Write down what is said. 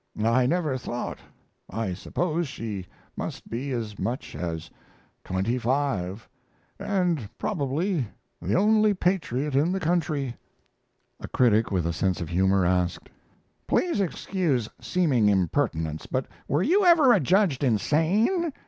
I never thought. I suppose she must be as much as twenty five, and probably the only patriot in the country." A critic with a sense of humor asked: "Please excuse seeming impertinence, but were you ever adjudged insane?